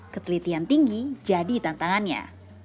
ketelitian tinggi jadi tantangannya